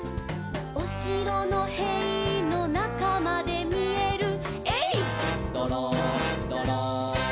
「おしろのへいのなかまでみえる」「えいっどろんどろん」